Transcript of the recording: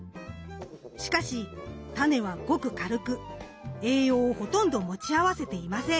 しかしタネはごく軽く栄養をほとんど持ち合わせていません。